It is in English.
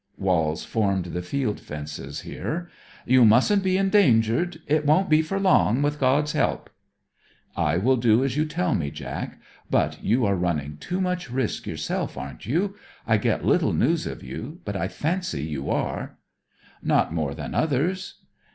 (Walls formed the field fences here.) 'You mustn't be endangered. It won't be for long, with God's help!' 'I will do as you tell me, Jack. But you are running too much risk yourself, aren't you? I get little news of you; but I fancy you are.' 'Not more than others.'